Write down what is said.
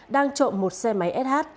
đang trộm một xe máy sh